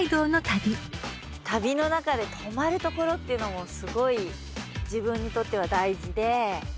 旅の中で泊まる所っていうのもすごい自分にとっては大事で。